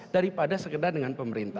daripada sekedar dengan pemerintah